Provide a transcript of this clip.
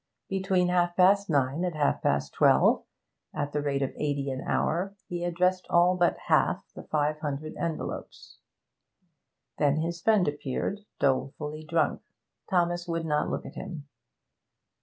Between half past nine and half past twelve, at the rate of eighty an hour, he addressed all but half the five hundred envelopes. Then his friend appeared, dolefully drunk. Thomas would not look at him.